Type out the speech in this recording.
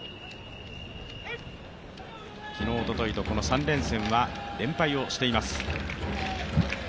昨日、おとといと、この３連戦は連敗をしています。